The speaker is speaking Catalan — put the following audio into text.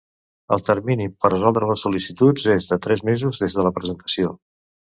El termini per resoldre les sol·licituds és de tres mesos des de la presentació.